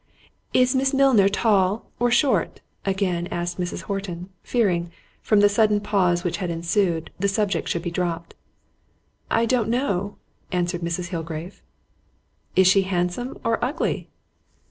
"Is Miss Milner tall, or short?" again asked Mrs. Horton, fearing, from the sudden pause which had ensued, the subject should be dropped. "I don't know," answered Mrs. Hillgrave. "Is she handsome, or ugly?"